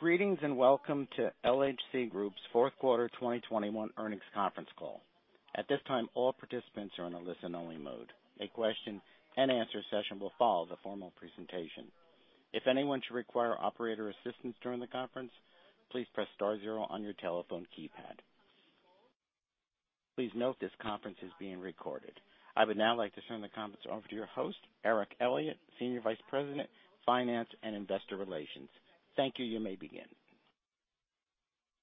Greetings and welcome to LHC Group's Q4 2021 Earnings Conference Call. At this time, all participants are in a listen-only mode. A question-and-answer session will follow the formal presentation. If anyone should require operator assistance during the conference, please press star zero on your telephone keypad. Please note this conference is being recorded. I would now like to turn the conference over to your host, Eric Elliott, Senior Vice President, Finance and Investor Relations. Thank you. You may begin.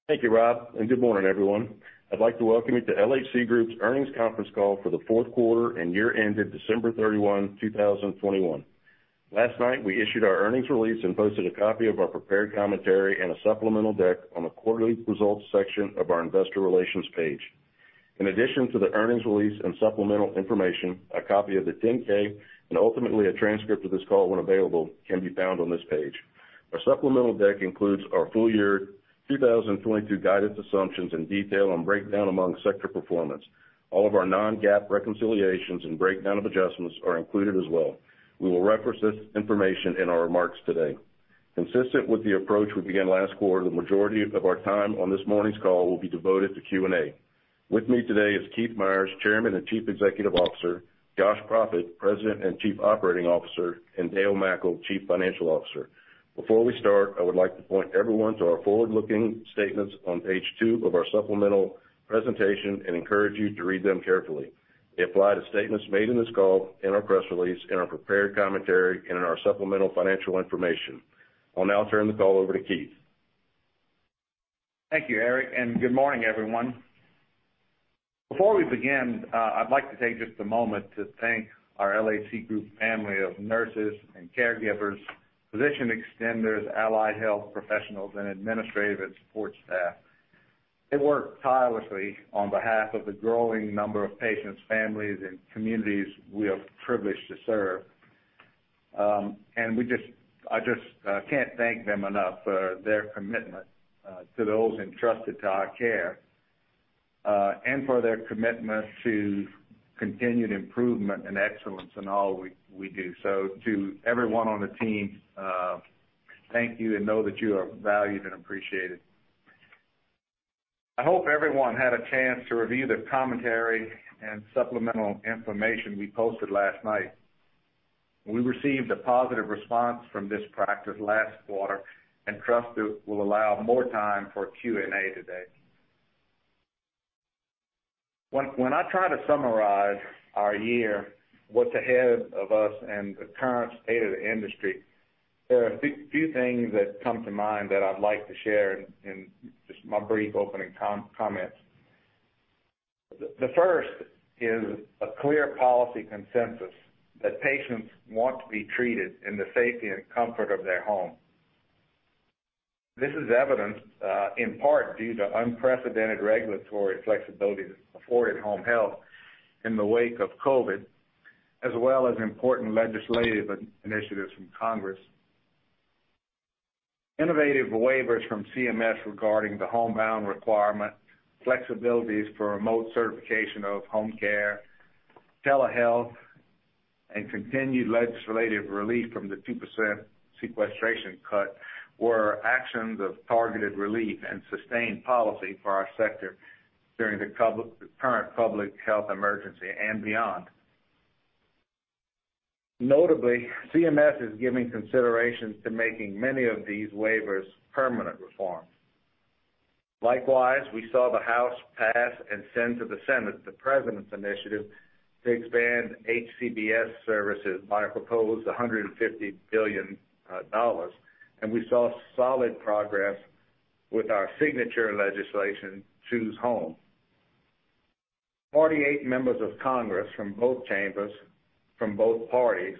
Thank you, Rob, and good morning, everyone. I'd like to welcome you to LHC Group's earnings Conference Call for Q4 and year ended December 31, 2021. Last night, we issued our earnings release and posted a copy of our prepared commentary and a supplemental deck on the quarterly results section of our investor relations page. In addition to the earnings release and supplemental information, a copy of the 10-K and ultimately a transcript of this call when available can be found on this page. Our supplemental deck includes our full-year 2022 guidance assumptions in detail and breakdown among sector performance. All of our non-GAAP reconciliations and breakdown of adjustments are included as well. We will reference this information in our remarks today. Consistent with the approach we began last quarter, the majority of our time on this morning's call will be devoted to Q&A. With me today is Keith Myers, Chairman and Chief Executive Officer, Josh Proffitt, President and Chief Operating Officer, and Dale Mackel, Chief Financial Officer. Before we start, I would like to point everyone to our forward-looking statements on page two of our supplemental presentation and encourage you to read them carefully. They apply to statements made in this call, in our press release, in our prepared commentary, and in our supplemental financial information. I'll now turn the call over to Keith. Thank you, Eric, and good morning, everyone. Before we begin, I'd like to take just a moment to thank our LHC Group family of nurses and caregivers, physician extenders, allied health professionals, and administrative and support staff. They work tirelessly on behalf of the growing number of patients, families, and communities we are privileged to serve. I just can't thank them enough for their commitment to those entrusted to our care and for their commitment to continued improvement and excellence in all we do. To everyone on the team, thank you and know that you are valued and appreciated. I hope everyone had a chance to review the commentary and supplemental information we posted last night. We received a positive response from this practice last quarter and trust it will allow more time for Q&A today. When I try to summarize our year, what's ahead of us and the current state of the industry, there are a few things that come to mind that I'd like to share in just my brief opening comments. The first is a clear policy consensus that patients want to be treated in the safety and comfort of their home. This is evidenced in part due to unprecedented regulatory flexibility for at-home health in the wake of COVID, as well as important legislative initiatives from Congress. Innovative waivers from CMS regarding the homebound requirement, flexibilities for remote certification of home care, telehealth, and continued legislative relief from the 2% sequestration cut were actions of targeted relief and sustained policy for our sector during the current public health emergency and beyond. Notably, CMS is giving consideration to making many of these waivers permanent reforms. Likewise, we saw the House pass and send to the Senate the President's initiative to expand HCBS services by a proposed $150 billion, and we saw solid progress with our signature legislation, Choose Home. 48 members of Congress from both chambers, from both parties,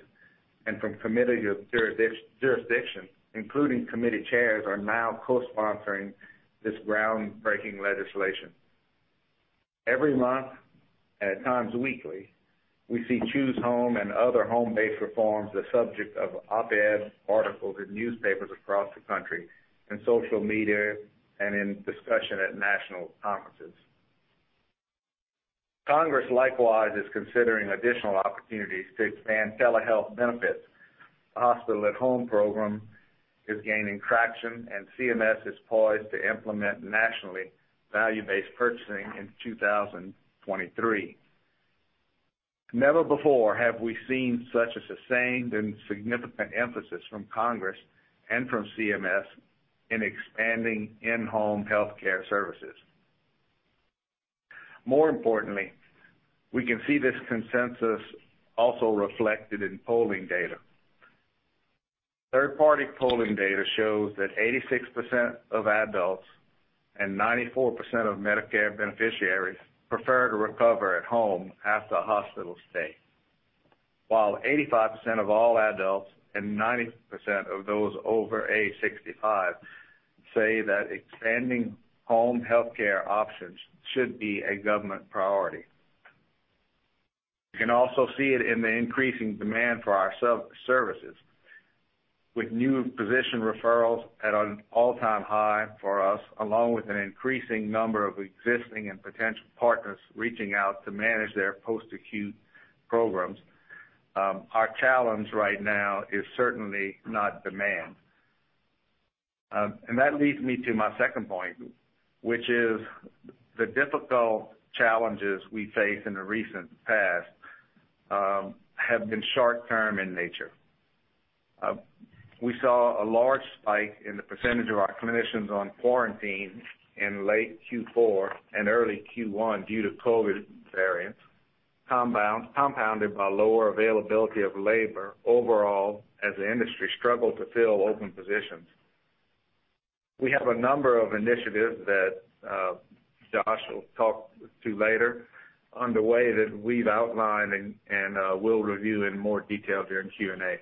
and from committee jurisdiction, including committee chairs, are now co-sponsoring this groundbreaking legislation. Every month, at times weekly, we see Choose Home and other home-based reforms the subject of op-ed articles in newspapers across the country, in social media, and in discussion at national conferences. Congress likewise is considering additional opportunities to expand telehealth benefits. The Hospital at Home program is gaining traction, and CMS is poised to implement nationally value-based purchasing in 2023. Never before have we seen such a sustained and significant emphasis from Congress and from CMS in expanding in-home healthcare services. More importantly, we can see this consensus also reflected in polling data. Third-party polling data shows that 86% of adults and 94% of Medicare beneficiaries prefer to recover at home after a hospital stay. While 85% of all adults and 90% of those over age 65 say that expanding home healthcare options should be a government priority. You can also see it in the increasing demand for our services. With new patient referrals at an all-time high for us, along with an increasing number of existing and potential partners reaching out to manage their post-acute programs, our challenge right now is certainly not demand. That leads me to my second point, which is the difficult challenges we face in the recent past have been short-term in nature. We saw a large spike in the percentage of our clinicians on quarantine in late Q4 and early Q1 due to COVID variants, compounded by lower availability of labor overall as the industry struggled to fill open positions. We have a number of initiatives that Josh will talk to later on the way that we've outlined and we'll review in more detail during Q&A.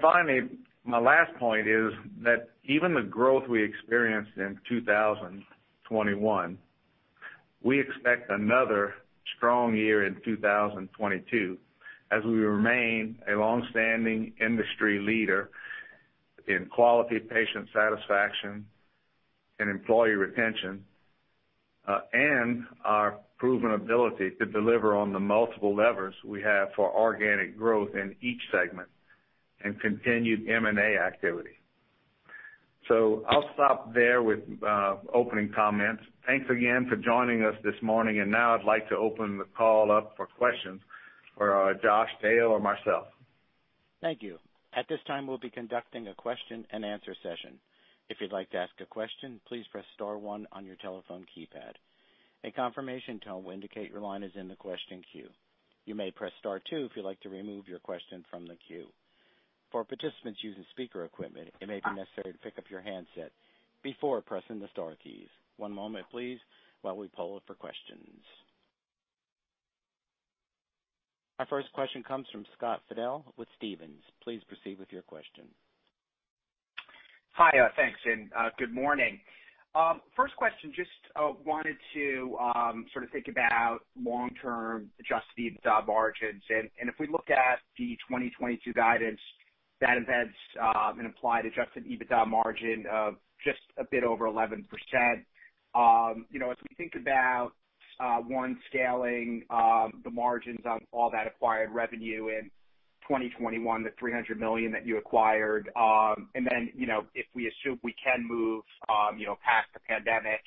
Finally, my last point is that even the growth we experienced in 2021, we expect another strong year in 2022 as we remain a long-standing industry leader in quality patient satisfaction and employee retention, and our proven ability to deliver on the multiple levers we have for organic growth in each segment and continued M&A activity. I'll stop there with opening comments. Thanks again for joining us this morning. Now I'd like to open the call up for questions for Josh, Dale, or myself. Thank you. At this time, we'll be conducting a question and answer session. If you'd like to ask a question, please press star one on your telephone keypad. A confirmation tone will indicate your line is in the question queue. You may press star two if you'd like to remove your question from the queue. For participants using speaker equipment, it may be necessary to pick up your handset before pressing the star keys. One moment please while we poll for questions. Our first question comes from Scott Fidel with Stephens. Please proceed with your question. Hi. Thanks and good morning. First question, just wanted to sort of think about long-term adjusted EBITDA margins. If we look at the 2022 guidance that embeds an implied adjusted EBITDA margin of just a bit over 11%. You know, as we think about one scaling the margins on all that acquired revenue in 2021, the $300 million that you acquired, and then, you know, if we assume we can move you know past the pandemic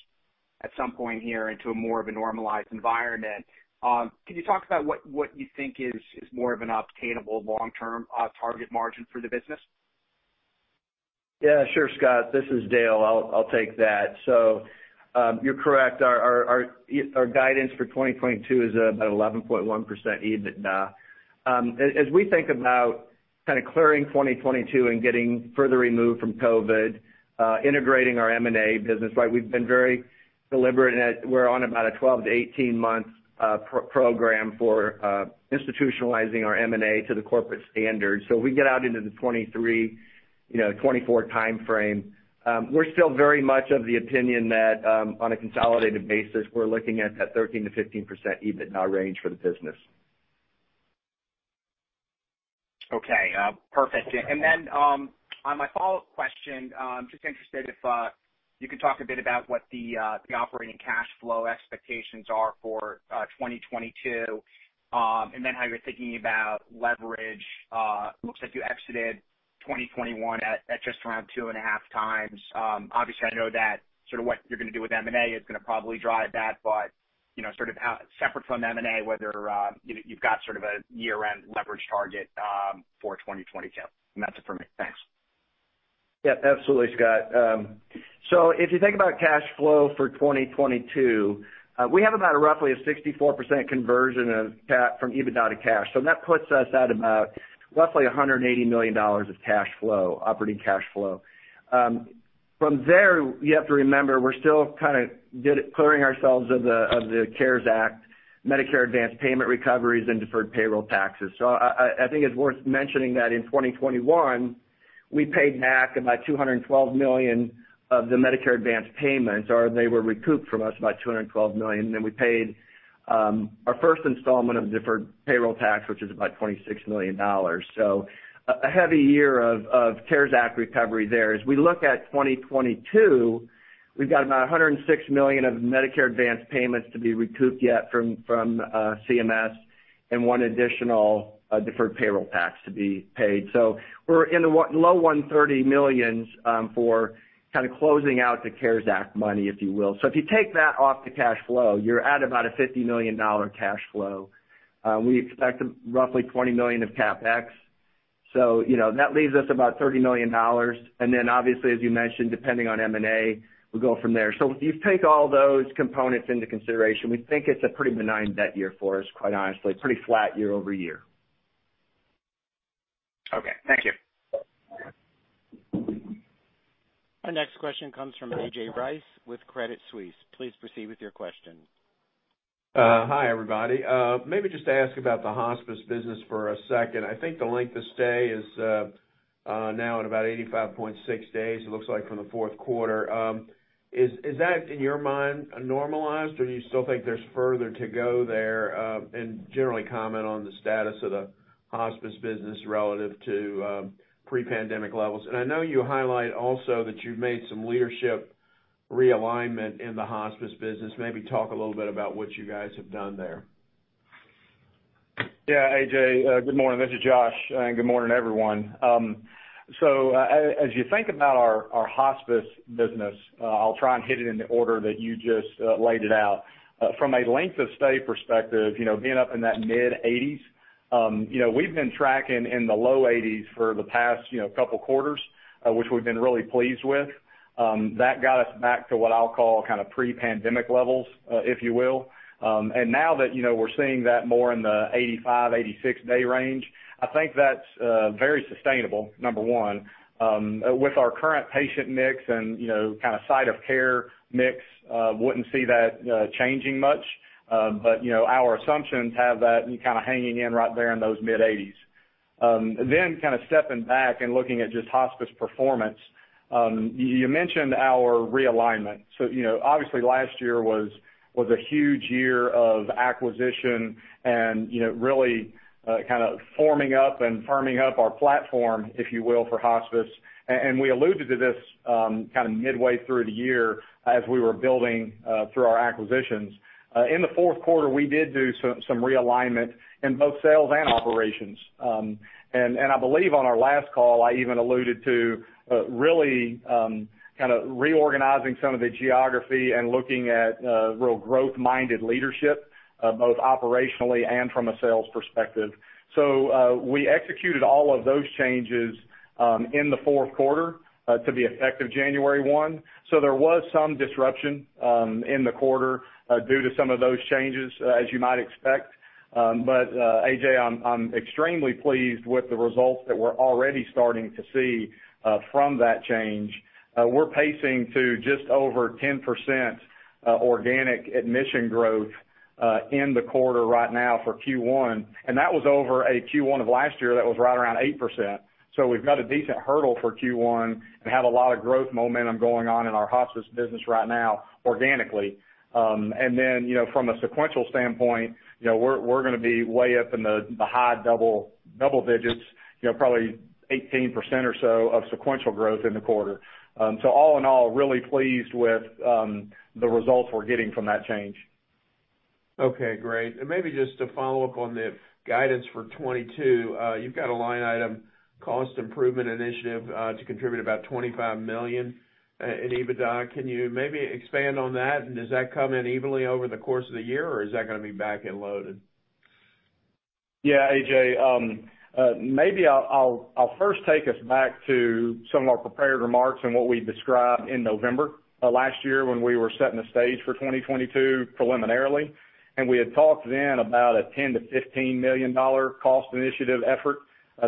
at some point here into more of a normalized environment, can you talk about what you think is more of an obtainable long-term target margin for the business? Yeah, sure, Scott, this is Dale. I'll take that. You're correct. Our guidance for 2022 is about 11.1% EBITDA. As we think about kind of clearing 2022 and getting further removed from COVID, integrating our M&A business, right? We've been very deliberate, and we're on about a 12- to 18-month program for institutionalizing our M&A to the corporate standards. We get out into the 2023, you know, 2024 timeframe, we're still very much of the opinion that, on a consolidated basis, we're looking at that 13%-15% EBITDA range for the business. Okay, perfect. On my follow-up question, I'm just interested if you could talk a bit about what the operating cash flow expectations are for 2022, and then how you're thinking about leverage. Looks like you exited 2021 at just around 2.5 times. Obviously I know that sort of what you're gonna do with M&A is gonna probably drive that, but you know, sort of how separate from M&A, whether you've got sort of a year-end leverage target for 2022. That's it for me. Thanks. Yeah, absolutely, Scott. If you think about cash flow for 2022, we have about roughly a 64% conversion from EBITDA to cash. That puts us at about roughly $180 million of cash flow, operating cash flow. From there, you have to remember, we're still kind of clearing ourselves of the CARES Act, Medicare advanced payment recoveries and deferred payroll taxes. I think it's worth mentioning that in 2021, we paid back about $212 million of the Medicare advanced payments, or they were recouped from us, about $212 million. Then we paid our first installment of deferred payroll tax, which is about $26 million. A heavy year of CARES Act recovery there. As we look at 2022, we've got about $106 million of Medicare advanced payments to be recouped yet from CMS and one additional deferred payroll tax to be paid. We're in the low $130 million for kind of closing out the CARES Act money, if you will. If you take that off the cash flow, you're at about a $50 million cash flow. We expect roughly $20 million of CapEx. That leaves us about $30 million. Then obviously, as you mentioned, depending on M&A, we'll go from there. If you take all those components into consideration, we think it's a pretty benign debt year for us, quite honestly, pretty flat year-over-year. Okay, thank you. Our next question comes from A.J. Rice with Credit Suisse. Please proceed with your question. Hi, everybody. Maybe just ask about the hospice business for a second. I think the length of stay is now at about 85.6 days, it looks like from Q4. Is that, in your mind, normalized, or do you still think there's further to go there? Generally comment on the status of the hospice business relative to pre-pandemic levels. I know you highlight also that you've made some leadership realignment in the hospice business. Maybe talk a little bit about what you guys have done there. Yeah, A.J., good morning. This is Josh, and good morning, everyone. As you think about our hospice business, I'll try and hit it in the order that you just laid it out. From a length of stay perspective, you know, being up in that mid-80s, you know, we've been tracking in the low 80s for the past, you know, couple quarters, which we've been really pleased with. That got us back to what I'll call kind of pre-pandemic levels, if you will. Now that, you know, we're seeing that more in the 85-86 day range, I think that's very sustainable, number one. With our current patient mix and, you know, kind of site of care mix, wouldn't see that changing much. You know, our assumptions have that kind of hanging in right there in those mid-80s. Then kind of stepping back and looking at just hospice performance, you mentioned our realignment. You know, obviously last year was a huge year of acquisition and, you know, really, kind of forming up and firming up our platform, if you will, for hospice. We alluded to this kind of midway through the year as we were building through our acquisitions. In Q4, we did do some realignment in both sales and operations. I believe on our last call, I even alluded to really, kind of reorganizing some of the geography and looking at real growth-minded leadership, both operationally and from a sales perspective. We executed all of those changes in Q4 to be effective January 1. There was some disruption in the quarter due to some of those changes as you might expect. A.J., I'm extremely pleased with the results that we're already starting to see from that change. We're pacing to just over 10% organic admission growth in the quarter right now for Q1, and that was over a Q1 of last year that was right around 8%. We've got a decent hurdle for Q1 and have a lot of growth momentum going on in our hospice business right now organically. From a sequential standpoint, you know, we're gonna be way up in the high-double-digits, you know, probably 18% or so of sequential growth in the quarter. All in all, really pleased with the results we're getting from that change. Okay, great. Maybe just to follow-up on the guidance for 2022. You've got a line item, cost improvement initiative, to contribute about $25 million in EBITDA. Can you maybe expand on that? Does that come in evenly over the course of the year, or is that gonna be back-end loaded? Yeah, A.J., maybe I'll first take us back to some of our prepared remarks and what we described in November of last year when we were setting the stage for 2022 preliminarily. We had talked then about a $10 million-$15 million cost initiative effort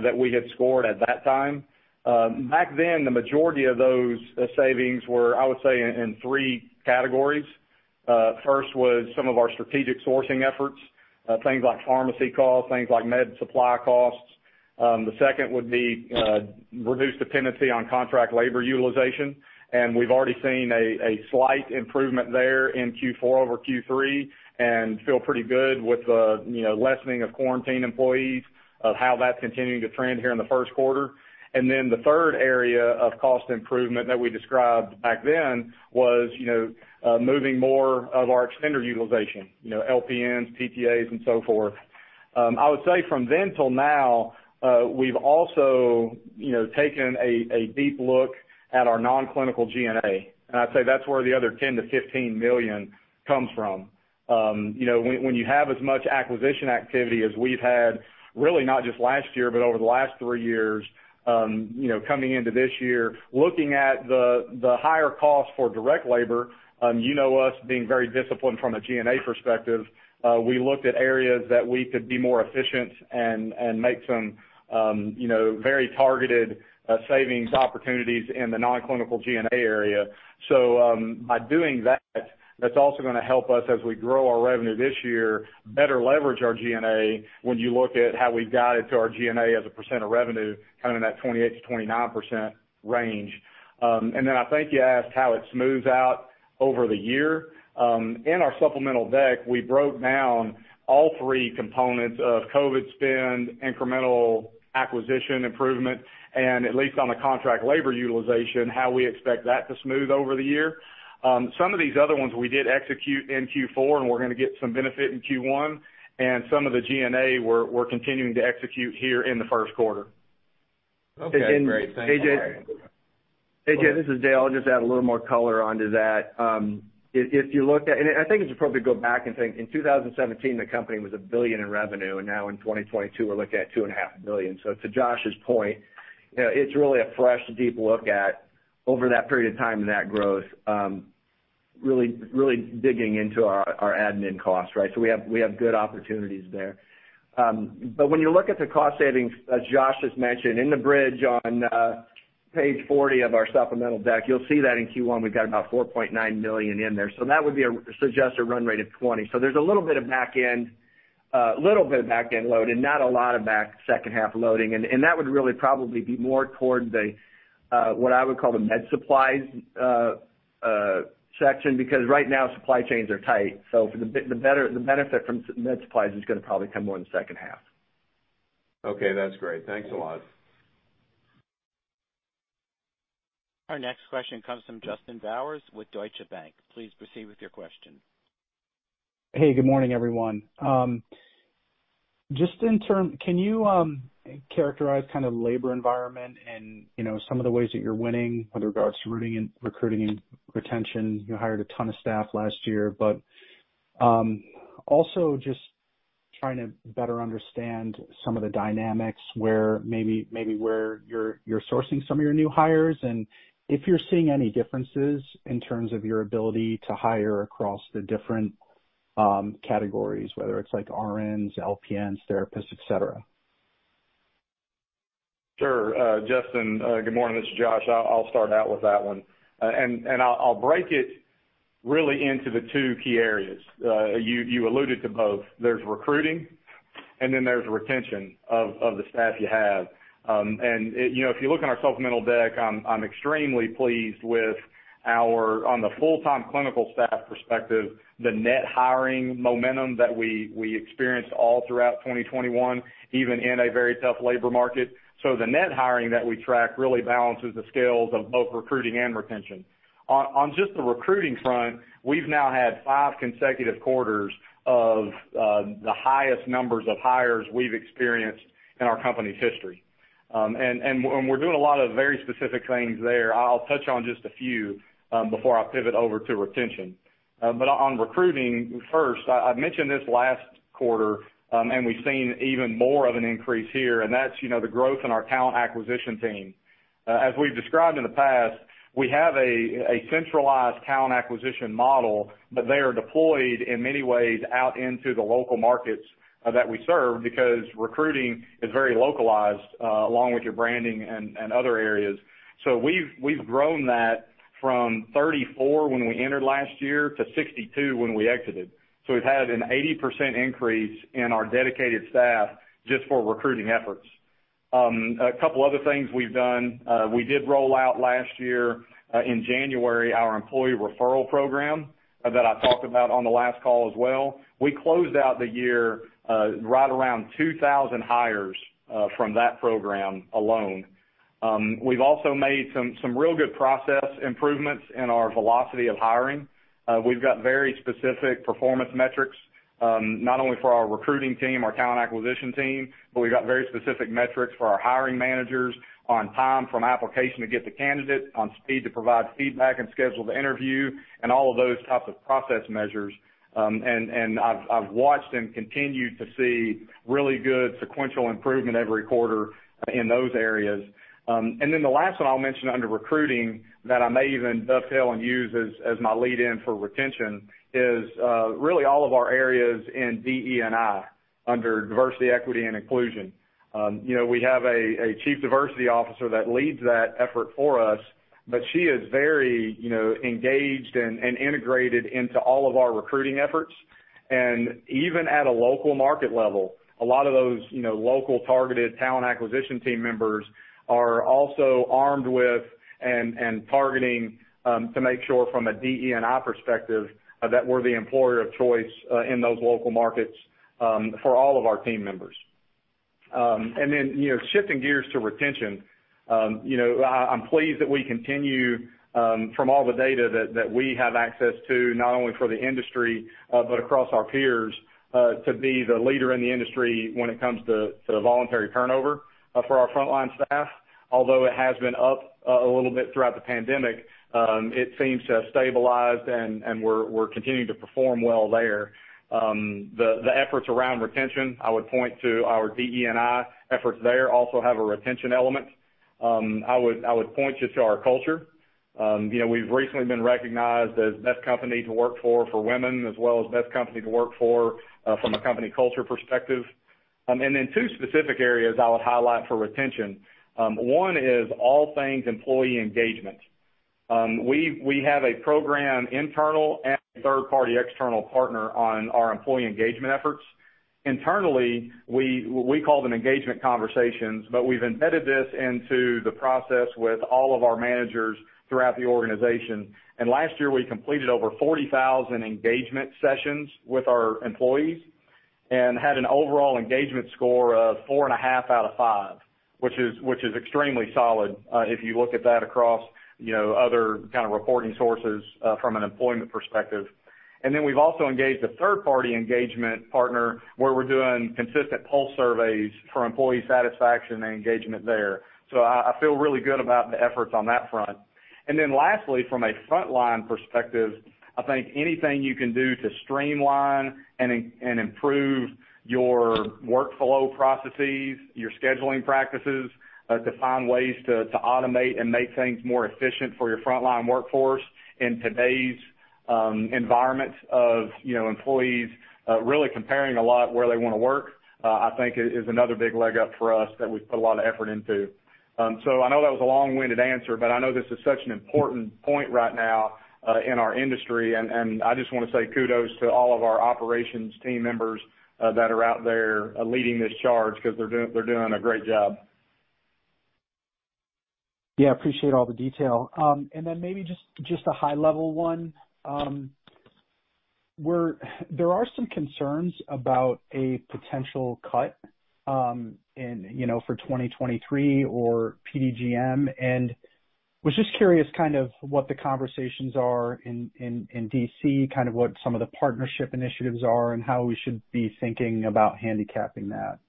that we had scored at that time. Back then, the majority of those savings were, I would say, in three categories. First was some of our strategic sourcing efforts, things like pharmacy costs, things like med supply costs. The second would be reduced dependency on contract labor utilization, and we've already seen a slight improvement there in Q4 over Q3 and feel pretty good with you know, lessening of quarantine employees, of how that's continuing to trend here in Q1. Then the third area of cost improvement that we described back then was, you know, moving more of our extender utilization, you know, LPNs, PTAs, and so forth. I would say from then till now, we've also, you know, taken a deep look at our non-clinical G&A. I'd say that's where the other $10 million-$15 million comes from. You know, when you have as much acquisition activity as we've had, really not just last year, but over the last three years, you know, coming into this year, looking at the higher cost for direct labor, you know, us being very disciplined from a G&A perspective. We looked at areas that we could be more efficient and make some, you know, very targeted savings opportunities in the non-clinical G&A area. By doing that's also gonna help us, as we grow our revenue this year, better leverage our G&A when you look at how we've guided to our G&A as a percent of revenue, kind of in that 28%-29% range. I think you asked how it smooths out over the year. In our supplemental deck, we broke down all three components of COVID spend, incremental acquisition improvement, and at least on the contract labor utilization, how we expect that to smooth over the year. Some of these other ones we did execute in Q4, and we're gonna get some benefit in Q1, and some of the G&A we're continuing to execute here in Q1. Okay, great. Thanks. A.J.- A.J., this is Dale. I'll just add a little more color onto that. If you look at, I think it's appropriate to go back and think, in 2017, the company was $1 billion in revenue, and now in 2022, we're looking at $2.5 billion. To Josh's point, you know, it's really a fresh deep look at over that period of time and that growth, really digging into our admin costs, right? We have good opportunities there. When you look at the cost savings, as Josh just mentioned, in the bridge on page 40 of our supplemental deck, you'll see that in Q1, we've got about $4.9 million in there. That would suggest a run rate of $20 million. There's a little bit of back-end load and not a lot of second half loading. That would really probably be more towards what I would call the med supplies section, because right now supply chains are tight. The benefit from med supplies is gonna probably come more in the second half. Okay, that's great. Thanks a lot. Our next question comes from Justin Bowers with Deutsche Bank. Please proceed with your question. Hey, good morning, everyone. Can you characterize kind of labor environment and, you know, some of the ways that you're winning with regards to recruiting and retention? You hired a ton of staff last year, but also just trying to better understand some of the dynamics where maybe where you're sourcing some of your new hires and if you're seeing any differences in terms of your ability to hire across the different categories, whether it's like RNs, LPNs, therapists, et cetera. Sure. Justin, good morning. This is Josh. I'll start out with that one. I'll break it really into the two key areas. You alluded to both. There's recruiting and then there's retention of the staff you have. You know, if you look on our supplemental deck, I'm extremely pleased with our, on the full-time clinical staff perspective, the net hiring momentum that we experienced all throughout 2021, even in a very tough labor market. The net hiring that we track really balances the scales of both recruiting and retention. On just the recruiting front, we've now had five consecutive quarters of the highest numbers of hires we've experienced in our company's history. We're doing a lot of very specific things there. I'll touch on just a few before I pivot over to retention. On recruiting first, I'd mentioned this last quarter, and we've seen even more of an increase here, and that's you know the growth in our talent acquisition team. As we've described in the past, we have a centralized talent acquisition model, but they are deployed in many ways out into the local markets that we serve because recruiting is very localized along with your branding and other areas. We've grown that from 34 when we entered last year to 62 when we exited. We've had an 80% increase in our dedicated staff just for recruiting efforts. A couple other things we've done. We did roll out last year, in January, our employee referral program that I talked about on the last call as well. We closed out the year right around 2,000 hires from that program alone. We've also made some real good process improvements in our velocity of hiring. We've got very specific performance metrics not only for our recruiting team, our talent acquisition team, but we've got very specific metrics for our hiring managers on time from application to get the candidate, on speed to provide feedback and schedule the interview, and all of those types of process measures. I've watched and continued to see really good sequential improvement every quarter in those areas. The last one I'll mention under recruiting that I may even dovetail and use as my lead in for retention is really all of our areas in DE&I under diversity, equity, and inclusion. You know, we have a Chief Diversity Officer that leads that effort for us, but she is very, you know, engaged and integrated into all of our recruiting efforts. Even at a local market level, a lot of those, you know, local targeted talent acquisition team members are also armed with and targeting to make sure from a DE&I perspective that we're the employer of choice in those local markets for all of our team members. You know, shifting gears to retention, you know, I'm pleased that we continue from all the data that we have access to not only for the industry, but across our peers, to be the leader in the industry when it comes to voluntary turnover for our frontline staff. Although it has been up a little bit throughout the pandemic, it seems to have stabilized, and we're continuing to perform well there. The efforts around retention, I would point to our DE&I efforts there also have a retention element. I would point you to our culture. You know, we've recently been recognized as best company to work for for women as well as best company to work for from a company culture perspective. Two specific areas I would highlight for retention, one is all things employee engagement. We have a program internal and third-party external partner on our employee engagement efforts. Internally, we call them engagement conversations, but we've embedded this into the process with all of our managers throughout the organization. Last year, we completed over 40,000 engagement sessions with our employees and had an overall engagement score of 4.5 out of 5, which is extremely solid if you look at that across, you know, other kind of reporting sources from an employment perspective. We've also engaged a third-party engagement partner, where we're doing consistent pulse surveys for employee satisfaction and engagement there. I feel really good about the efforts on that front. Lastly, from a frontline perspective, I think anything you can do to streamline and improve your workflow processes, your scheduling practices, to find ways to automate and make things more efficient for your frontline workforce in today's environment of, you know, employees really comparing a lot where they wanna work, I think is another big leg up for us that we've put a lot of effort into. I know that was a long-winded answer, but I know this is such an important point right now in our industry, and I just wanna say kudos to all of our operations team members that are out there leading this charge 'cause they're doing a great job. Yeah, appreciate all the detail. Then maybe just a high-level one. There are some concerns about a potential cut in 2023 or PDGM. Was just curious kind of what the conversations are in D.C., kind of what some of the partnership initiatives are and how we should be thinking about handicapping that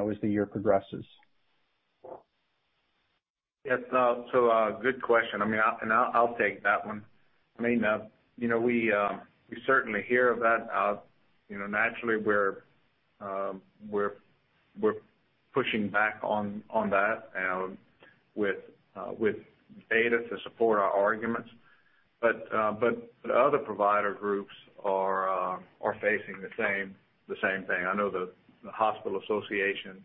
as the year progresses. Yes. Good question. I mean, I'll take that one. I mean, you know, we certainly hear of that. You know, naturally we're pushing back on that and with data to support our arguments. Other provider groups are facing the same thing. I know the hospital association,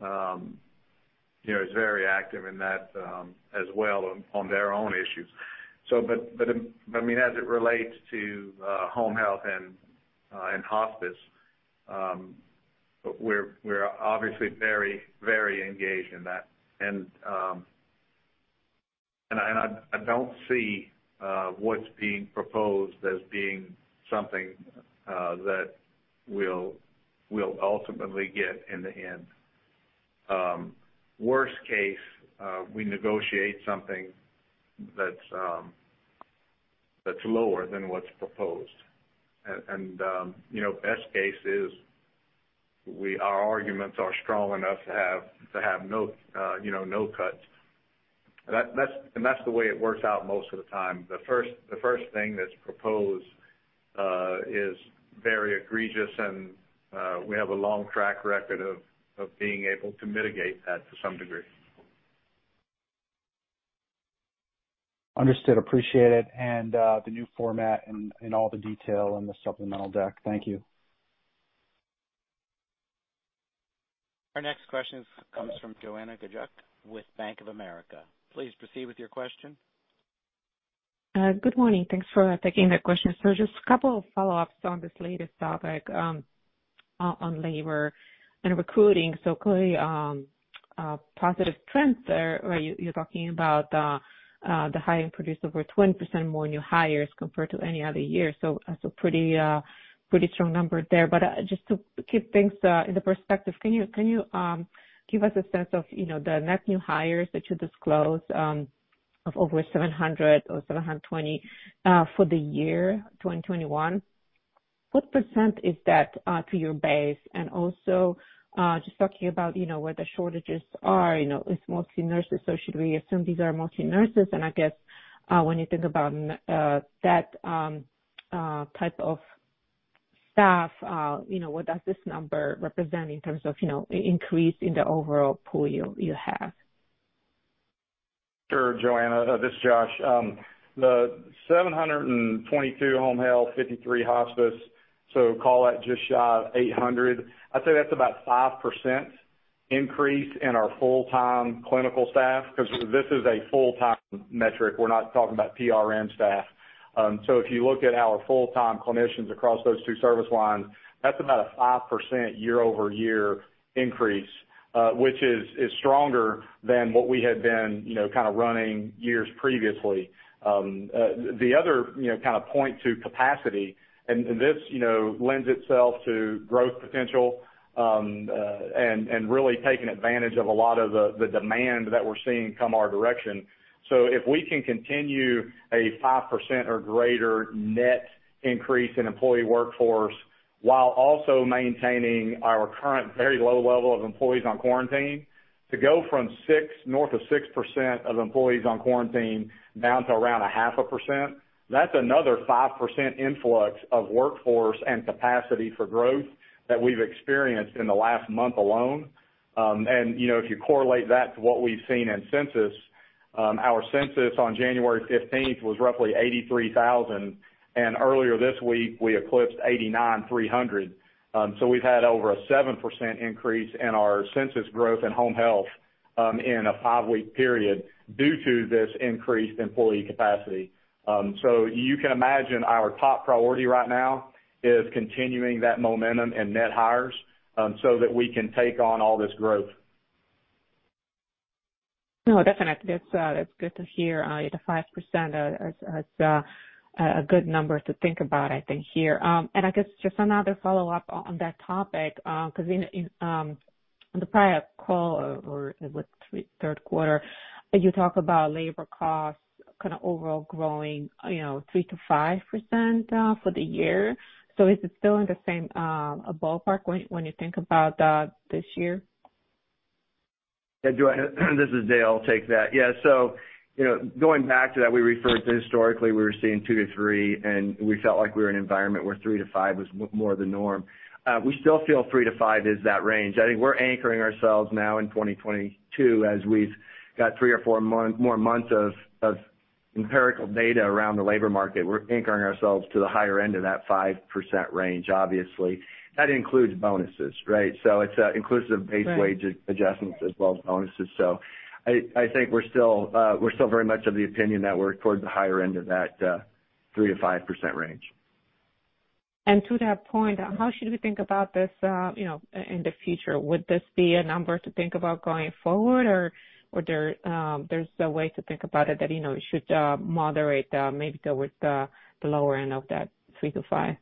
you know, is very active in that, as well on their own issues. I mean, as it relates to home health and hospice, we're obviously very engaged in that. I don't see what's being proposed as being something that we'll ultimately get in the end. Worst case, we negotiate something that's lower than what's proposed. Best case is our arguments are strong enough to have no, you know, no cuts. That's the way it works out most of the time. The first thing that's proposed is very egregious, and we have a long track record of being able to mitigate that to some degree. Understood. Appreciate it. The new format and all the detail in the supplemental deck. Thank you. Our next question comes from Joanna Gajuk with Bank of America. Please proceed with your question. Good morning. Thanks for taking the questions. Just a couple of follow-ups on this latest topic on labor and recruiting. Clearly, a positive trend there where you're talking about the high-end producer, over 20% more new hires compared to any other year. That's a pretty strong number there. To keep things in perspective, can you give us a sense of, you know, the net new hires that you disclose of over 700 or 720 for the year 2021? What % is that to your base? Also, just talking about, you know, where the shortages are, you know, it's mostly nurses, so should we assume these are mostly nurses? I guess, when you think about that type of staff, you know, what does this number represent in terms of, you know, increase in the overall pool you have? Sure, Joanna, this is Josh. The 722 home health, 53 hospice, so call that just shy of 800. I'd say that's about 5% increase in our full-time clinical staff because this is a full-time metric. We're not talking about PRN staff. So if you look at our full-time clinicians across those two service lines, that's about a 5% year-over-year increase, which is stronger than what we had been, you know, kind of running years previously. The other, you know, kind of point to capacity, and this, you know, lends itself to growth potential, and really taking advantage of a lot of the demand that we're seeing come our direction. If we can continue a 5% or greater net increase in employee workforce while also maintaining our current very low-level of employees on quarantine, to go from north of 6% of employees on quarantine down to around a 0.5%, that's another 5% influx of workforce and capacity for growth that we've experienced in the last month alone. You know, if you correlate that to what we've seen in census, our census on January 15 was roughly 83,000, and earlier this week we eclipsed 89,300. We've had over a 7% increase in our census growth in home health in a 5-week period due to this increased employee capacity. You can imagine our top priority right now is continuing that momentum in net hires, so that we can take on all this growth. No, definitely. That's good to hear. The 5% is a good number to think about, I think, here. I guess just another follow-up on that topic, 'cause in on the prior call or it was Q3, you talked about labor costs kind of overall growing, you know, 3%-5%, for the year. Is it still in the same ballpark when you think about this year? Yeah, Joanna, this is Dale. Take that. Yeah. You know, going back to that, we referred to historically, we were seeing 2%-3%, and we felt like we were in an environment where 3%-5% was more the norm. We still feel 3%-5% is that range. I think we're anchoring ourselves now in 2022, as we've got 3 or 4 more months of empirical data around the labor market. We're anchoring ourselves to the higher end of that 5% range. Obviously, that includes bonuses, right? It's inclusive of base wage adjustments as well as bonuses. I think we're still very much of the opinion that we're towards the higher end of that 3%-5% range. To that point, how should we think about this in the future? Would this be a number to think about going forward, or there's a way to think about it that, you know, it should moderate, maybe go with the lower end of that 3-5?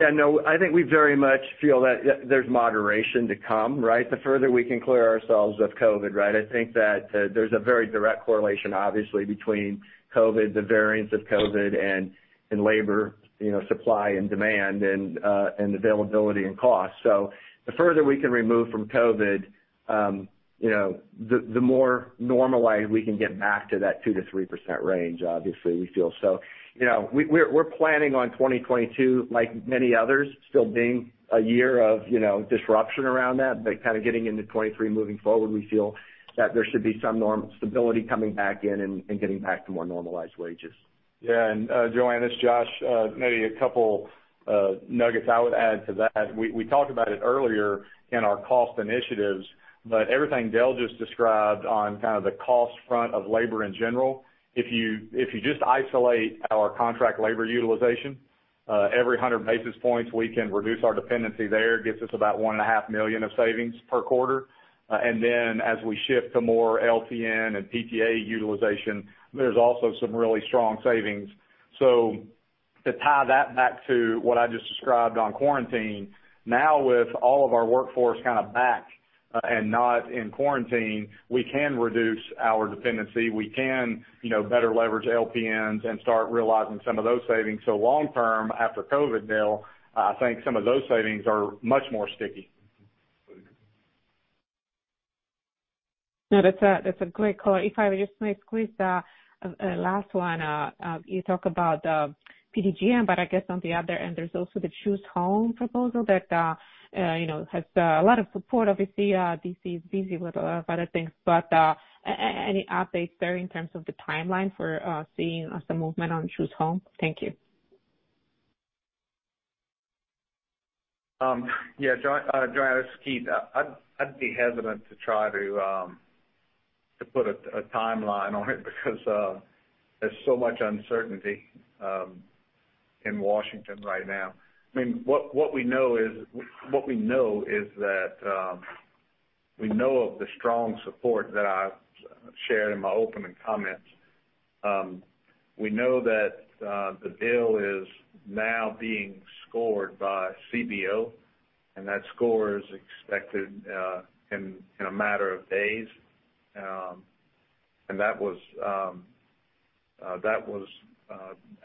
Yeah, no, I think we very much feel that there's moderation to come, right? The further we can clear ourselves of COVID, right? I think that there's a very direct correlation, obviously, between COVID, the variants of COVID and labor, you know, supply and demand and availability and cost. So the further we can remove from COVID, you know, the more normalized we can get back to that 2%-3% range, obviously, we feel. So, you know, we're planning on 2022, like many others, still being a year of, you know, disruption around that. But kind of getting into 2023 moving forward, we feel that there should be some stability coming back in and getting back to more normalized wages. Yeah. Joanna, it's Josh. Maybe a couple nuggets I would add to that. We talked about it earlier in our cost initiatives, but everything Dale just described on kind of the cost front of labor in general, if you just isolate our contract labor utilization, every 100 basis points we can reduce our dependency there gets us about $1.5 million of savings per quarter. Then as we shift to more LPN and PTA utilization, there's also some really strong savings. To tie that back to what I just described on quarantine, now with all of our workforce kind of back and not in quarantine, we can reduce our dependency. We can, you know, better leverage LPNs and start realizing some of those savings. Long-term after COVID, Dale, I think some of those savings are much more sticky. No, that's a great call. If I just may squeeze the last one. You talk about PDGM, but I guess on the other end there's also the Choose Home proposal that you know has a lot of support. Obviously, D.C. is busy with a lot of other things. Any updates there in terms of the timeline for seeing some movement on Choose Home? Thank you. Yeah, Joanna, it's Keith. I'd be hesitant to try to put a timeline on it because there's so much uncertainty in Washington right now. I mean, what we know is that we know of the strong support that I shared in my opening comments. We know that the bill is now being scored by CBO, and that score is expected in a matter of days. And that was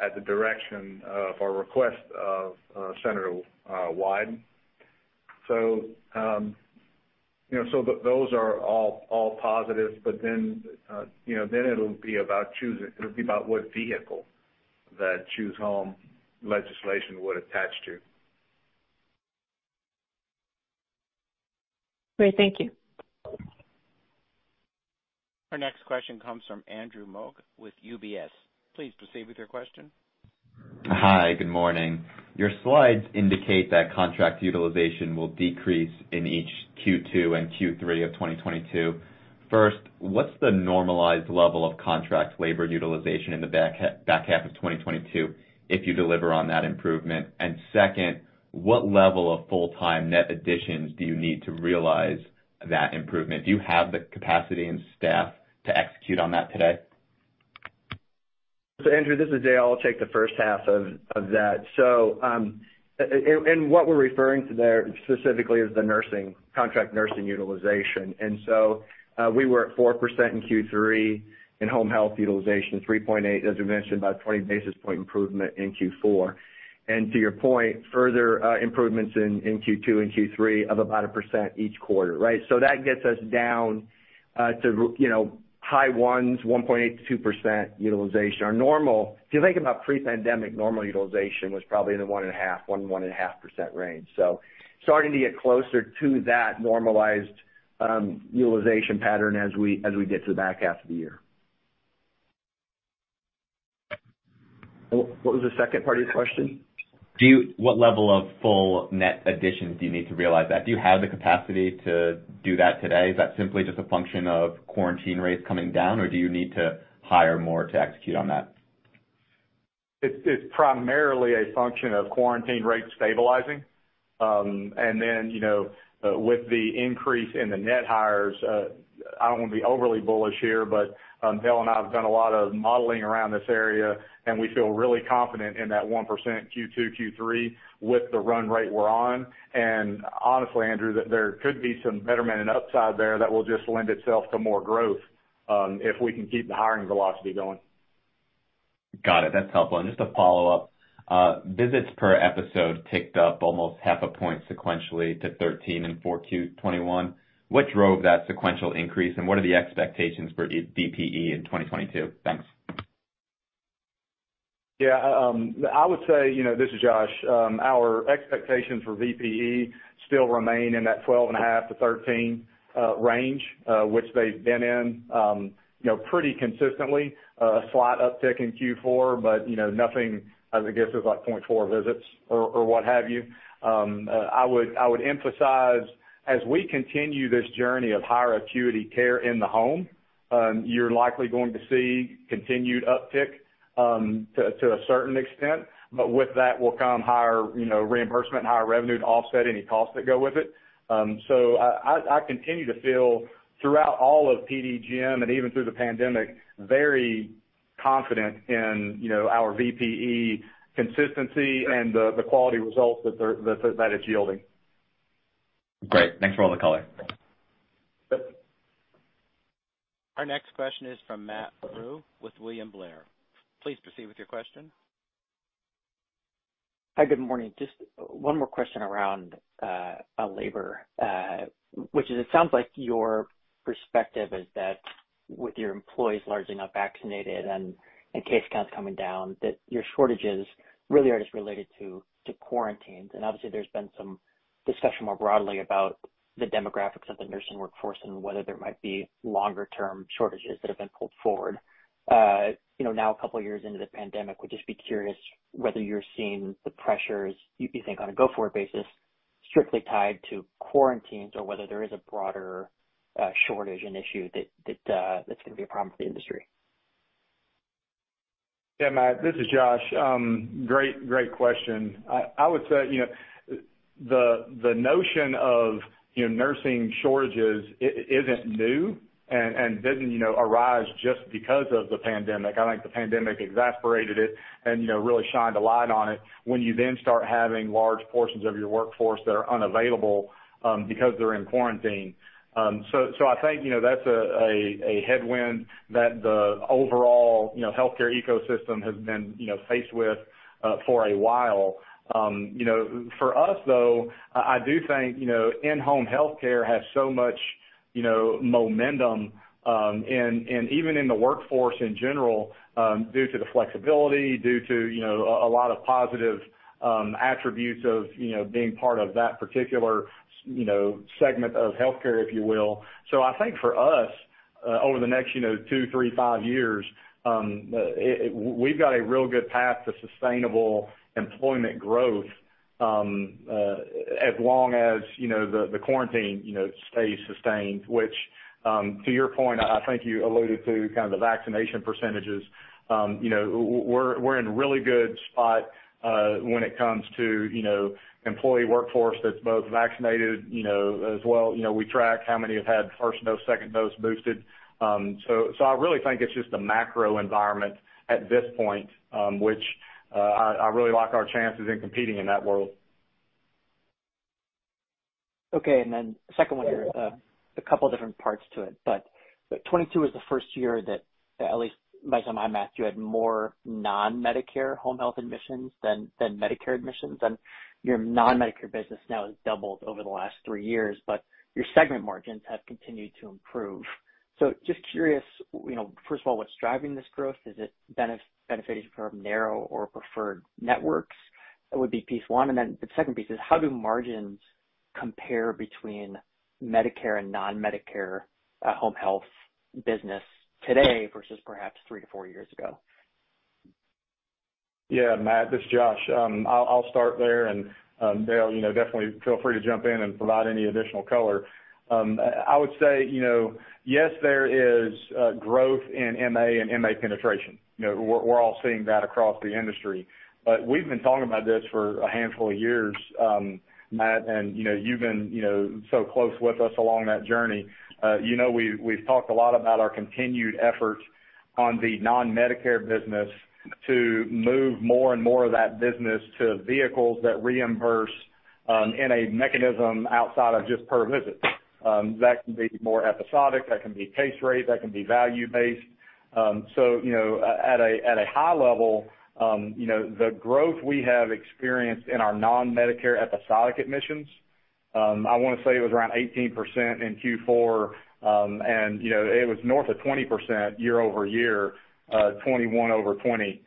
at the direction of or request of Senator Wyden. You know, so those are all positive. But then, you know, then it'll be about choosing. It'll be about what vehicle that Choose Home legislation would attach to. Great. Thank you. Our next question comes from Andrew Mok with UBS. Please proceed with your question. Hi. Good morning. Your slides indicate that contract utilization will decrease in each Q2 and Q3 of 2022. First, what's the normalized level of contract labor utilization in the back half of 2022 if you deliver on that improvement? And second, what level of full-time net additions do you need to realize that improvement? Do you have the capacity and staff to execute on that today? Andrew, this is Dale. I'll take the first half of that. What we're referring to there specifically is the nursing, contract nursing utilization. We were at 4% in Q3 in home health utilization, 3.8, as we mentioned, about 20 basis point improvement in Q4. To your point, further improvements in Q2 and Q3 of about 1% each quarter, right? That gets us down to you know, high ones, 1.8%-2% utilization. Our normal—if you think about pre-pandemic, normal utilization was probably in the 1.5% range. Starting to get closer to that normalized utilization pattern as we get to the back half of the year. What was the second part of your question? What level of full net additions do you need to realize that? Do you have the capacity to do that today? Is that simply just a function of quarantine rates coming down, or do you need to hire more to execute on that? It's primarily a function of quarantine rates stabilizing. You know, with the increase in the net hires, I don't wanna be overly bullish here, but, Dale and I have done a lot of modeling around this area, and we feel really confident in that 1% Q2, Q3 with the run rate we're on. Honestly, Andrew, there could be some betterment and upside there that will just lend itself to more growth, if we can keep the hiring velocity going. Got it. That's helpful. Just a follow-up. Visits per episode ticked up almost half a point sequentially to 13 in Q4 2021. What drove that sequential increase, and what are the expectations for VPE in 2022? Thanks. Yeah. I would say, you know, this is Josh. Our expectations for VPE still remain in that 12.5-13 range, which they've been in, you know, pretty consistently. A slight uptick in Q4, but, you know, nothing, I guess, was like 0.4 visits or what have you. I would emphasize, as we continue this journey of higher acuity care in the home, you're likely going to see continued uptick, to a certain extent, but with that will come higher, you know, reimbursement, higher revenue to offset any costs that go with it. So I continue to feel throughout all of PDGM and even through the pandemic, very confident in, you know, our VPE consistency and the quality results that it's yielding. Great. Thanks for all the color. Yep. Our next question is from Matt Larew with William Blair. Please proceed with your question. Hi, good morning. Just one more question around labor, which is it sounds like your perspective is that with your employees largely now vaccinated and case counts coming down, that your shortages really are just related to quarantines. Obviously, there's been some discussion more broadly about the demographics of the nursing workforce and whether there might be longer-term shortages that have been pulled forward. You know, now a couple of years into the pandemic, would just be curious whether you're seeing the pressures you think on a go-forward basis, strictly tied to quarantines, or whether there is a broader shortage and issue that's gonna be a problem for the industry. Yeah, Matt, this is Josh. Great question. I would say, you know, the notion of, you know, nursing shortages isn't new and didn't, you know, arise just because of the pandemic. I think the pandemic exacerbated it and, you know, really shined a light on it when you then start having large portions of your workforce that are unavailable, because they're in quarantine. So I think, you know, that's a headwind that the overall, you know, healthcare ecosystem has been, you know, faced with, for a while. You know, for us, though, I do think in-home healthcare has so much momentum, and even in the workforce in general, due to the flexibility, due to a lot of positive attributes of being part of that particular segment of healthcare, if you will. I think for us, over the next 2, 3, 5 years, we've got a real good path to sustainable employment growth, as long as the quarantine stays sustained, which, to your point, I think you alluded to kind of the vaccination percentages. You know, we're in a really good spot when it comes to employee workforce that's both vaccinated, as well. You know, we track how many have had first dose, second dose, boosted. I really think it's just the macro environment at this point, which I really like our chances in competing in that world. Okay. Second one here, a couple of different parts to it. 2022 is the first year that at least by some high-math, you had more non-Medicare home health admissions than Medicare admissions. Your non-Medicare business now has doubled over the last three years, but your segment margins have continued to improve. Just curious, you know, first of all, what's driving this growth? Is it benefiting from narrow or preferred networks? That would be piece one. The second piece is, how do margins compare between Medicare and non-Medicare home health business today versus perhaps three to four years ago? Yeah, Matt, this is Josh. I'll start there and, Dale, you know, definitely feel free to jump in and provide any additional color. I would say, you know, yes, there is growth in MA and MA penetration. You know, we're all seeing that across the industry. But we've been talking about this for a handful of years, Matt, and, you know, you've been, you know, so close with us along that journey. You know, we've talked a lot about our continued effort on the non-Medicare business to move more and more of that business to vehicles that reimburse in a mechanism outside of just per visit. That can be more episodic, that can be case rate, that can be value-based. You know, at a high-level, you know, the growth we have experienced in our non-Medicare episodic admissions, I wanna say it was around 18% in Q4, and you know, it was north of 20% year-over-year, 2021 over 2020.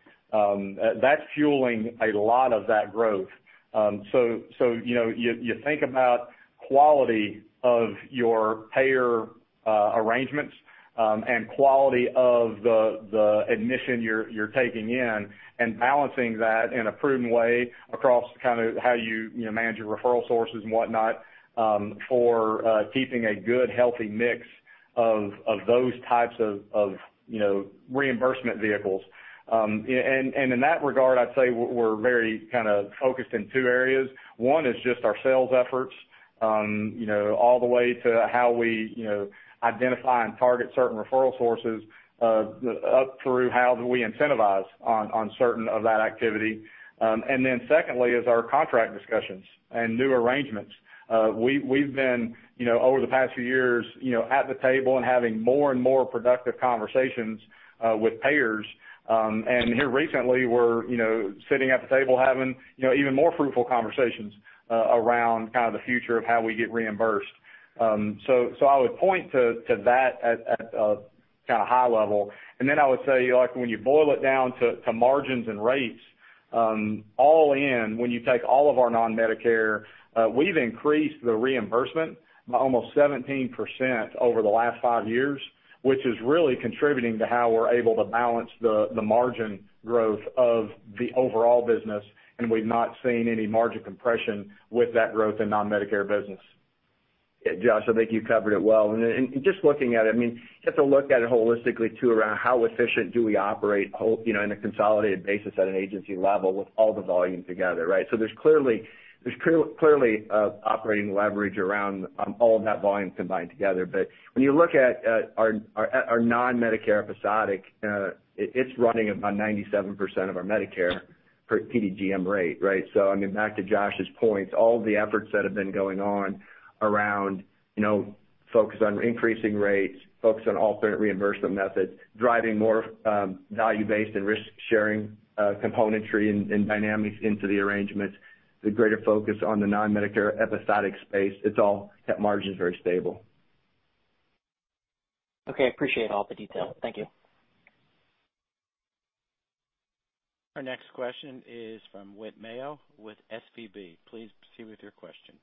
That's fueling a lot of that growth. You know, you think about quality of your payer arrangements, and quality of the admission you're taking in and balancing that in a prudent way across kinda how you know, manage your referral sources and whatnot, for keeping a good healthy mix of those types of, you know, reimbursement vehicles. In that regard, I'd say we're very kinda focused in two areas. One is just our sales efforts, you know, all the way to how we, you know, identify and target certain referral sources, up through how do we incentivize on certain of that activity. Secondly is our contract discussions and new arrangements. We've been, you know, over the past few years, you know, at the table and having more and more productive conversations with payers. Here recently, we're, you know, sitting at the table having, you know, even more fruitful conversations around kind of the future of how we get reimbursed. So I would point to that at a kinda high-level. I would say, like, when you boil it down to margins and rates, all in, when you take all of our non-Medicare, we've increased the reimbursement by almost 17% over the last five years, which is really contributing to how we're able to balance the margin growth of the overall business, and we've not seen any margin compression with that growth in non-Medicare business. Josh, I think you covered it well. Just looking at it, I mean, you have to look at it holistically too, around how efficient do we operate wholly, you know, in a consolidated basis at an agency level with all the volume together, right? There's clearly an operating leverage around all of that volume combined together. When you look at our non-Medicare episodic, it's running about 97% of our Medicare per PDGM rate, right? I mean, back to Josh's points, all the efforts that have been going on around, you know, focus on increasing rates, focus on alternate reimbursement methods, driving more value-based and risk-sharing components and dynamics into the arrangements, the greater focus on the non-Medicare episodic space, it's all kept margins very stable. Okay. I appreciate all the detail. Thank you. Our next question is from Whit Mayo with SVB. Please proceed with your question.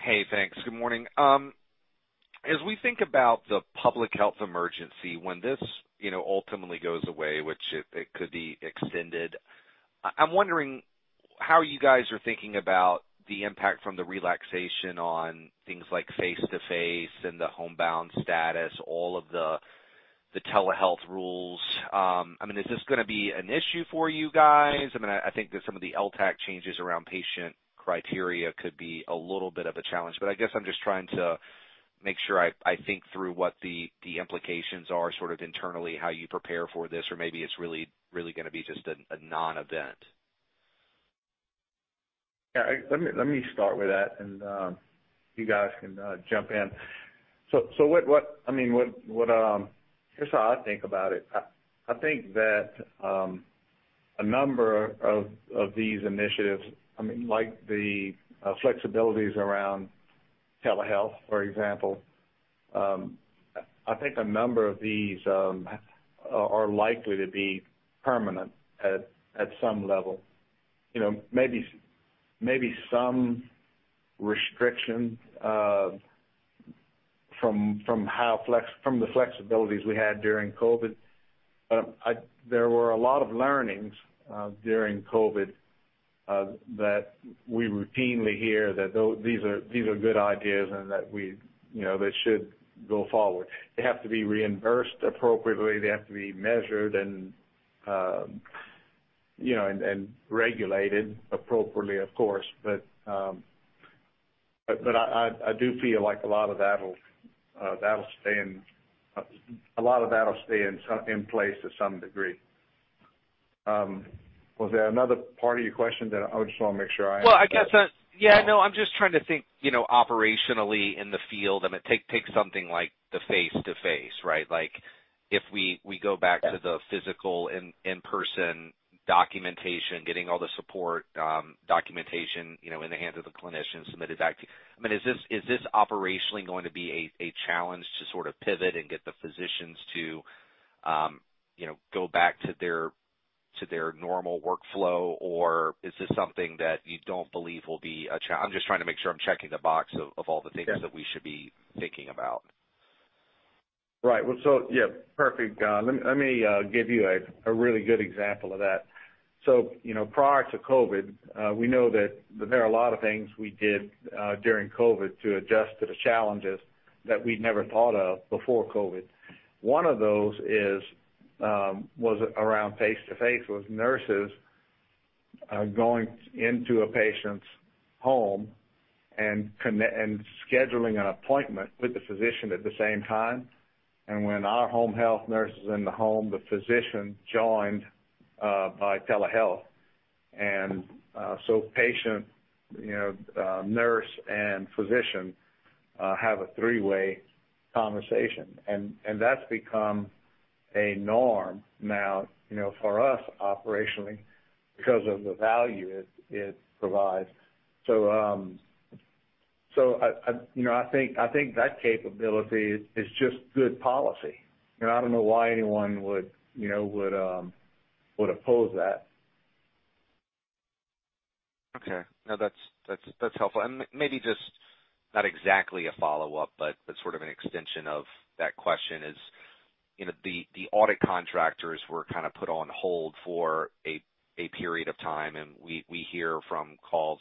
Hey, thanks. Good morning. As we think about the public health emergency, when this you know ultimately goes away, which it could be extended, I'm wondering how you guys are thinking about the impact from the relaxation on things like face-to-face and the homebound status, all of the telehealth rules. I mean, is this gonna be an issue for you guys? I mean, I think that some of the LTAC changes around patient criteria could be a little bit of a challenge. I guess I'm just trying to make sure I think through what the implications are sort of internally, how you prepare for this or maybe it's really gonna be just a non-event. Yeah. Let me start with that, and you guys can jump in. What I mean, here's how I think about it. I think that a number of these initiatives, I mean, like the flexibilities around telehealth, for example, I think a number of these are likely to be permanent at some level. You know, maybe some restriction from the flexibilities we had during COVID. There were a lot of learnings during COVID that we routinely hear that these are good ideas and that we, you know, they should go forward. They have to be reimbursed appropriately. They have to be measured and, you know, and regulated appropriately, of course. I do feel like a lot of that'll stay in place to some degree. Was there another part of your question that I just wanna make sure I answered that? Well, I guess, I'm just trying to think, you know, operationally in the field. I mean, take something like the face-to-face, right? Like, if we go back to the physical in-person documentation, getting all the support documentation, you know, in the hands of the clinicians submitted back to you. I mean, is this operationally going to be a challenge to sort of pivot and get the physicians to, you know, go back to their normal workflow? Or is this something that you don't believe will be a cha... I'm just trying to make sure I'm checking the box of all the things- Okay. that we should be thinking about. Right. Well, yeah, perfect. Let me give you a really good example of that. You know, prior to COVID, we know that there are a lot of things we did during COVID to adjust to the challenges that we'd never thought of before COVID. One of those was around face-to-face nurses going into a patient's home and scheduling an appointment with the physician at the same time. When our home health nurse is in the home, the physician joined by telehealth. Patient, you know, nurse and physician have a three-way conversation. That's become a norm now, you know, for us operationally because of the value it provides. I think that capability is just good policy. You know, I don't know why anyone would, you know, oppose that. Okay. No, that's helpful. Maybe just not exactly a follow-up, but sort of an extension of that question is, you know, the audit contractors were kind of put on hold for a period of time, and we hear from calls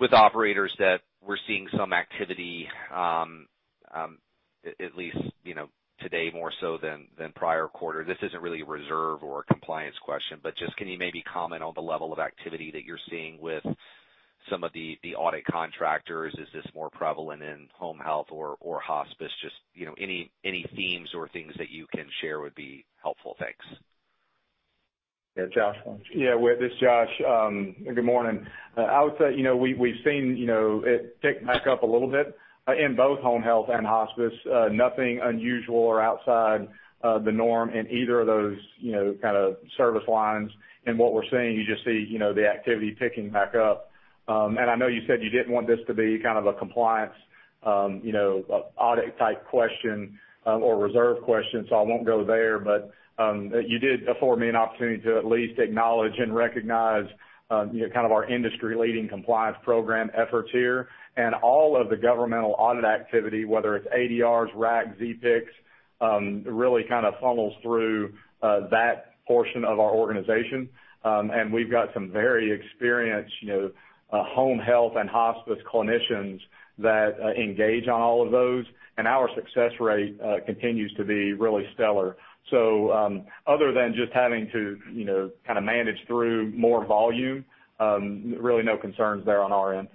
with operators that we're seeing some activity, at least, you know, today more so than prior quarter. This isn't really a reserve or a compliance question, but just can you maybe comment on the level of activity that you're seeing with some of the audit contractors? Is this more prevalent in home health or hospice? You know, any themes or things that you can share would be helpful. Thanks. Yeah. Josh? Yeah. Whit, this is Josh. Good morning. I would say, you know, we've seen, you know, it tick back up a little bit in both home health and hospice. Nothing unusual or outside the norm in either of those, you know, kind of service lines. What we're seeing, you just see, you know, the activity ticking back up. I know you said you didn't want this to be kind of a compliance, you know, audit-type question or reserve question, so I won't go there. You did afford me an opportunity to at least acknowledge and recognize, you know, kind of our industry-leading compliance program efforts here. All of the governmental audit activity, whether it's ADRs, RAC, ZPICs, really kind of funnels through that portion of our organization. We've got some very experienced, you know, home health and hospice clinicians that engage on all of those. Our success rate continues to be really stellar. Other than just having to, you know, kind of manage through more volume, really no concerns there on our end.